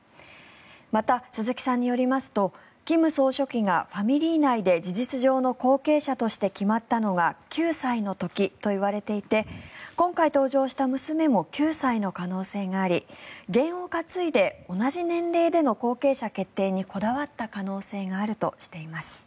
また、鈴木さんによりますと金総書記がファミリー内で事実上の後継者として決まったのが９歳の時といわれていて今回登場した娘も９歳の可能性がありげんを担いで同じ年齢での後継者決定にこだわった可能性があるとしています。